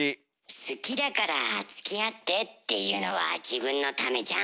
「好きだからつきあって」っていうのは自分のためじゃん？